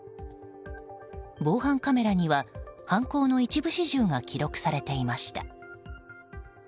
防犯カメラには犯行の一部始終が記録されていました。